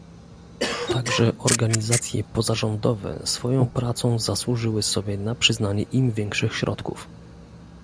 Także organizacje pozarządowe swoją pracą zasłużyły sobie na przyznanie im większych środków